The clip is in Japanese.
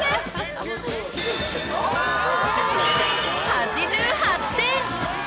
８８点！